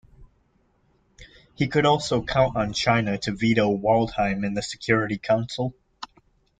He could also count on China to veto Waldheim in the Security Council.